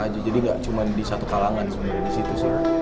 jadi nggak cuma di satu kalangan di situ